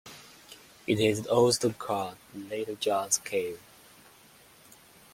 It is also called Little John's Cave.